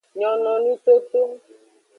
Nyononwi toto.